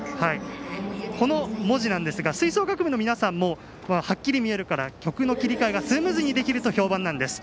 この文字なんですが吹奏楽部の皆さんもはっきり見えるから曲の切り替えがスムーズにできると評判なんです。